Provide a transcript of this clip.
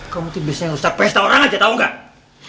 kamu tuh biasanya nusak pesta orang aja tau gak